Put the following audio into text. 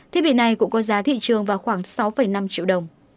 thiết bị này cũng có giá thị trường vào khoảng sáu năm triệu đồng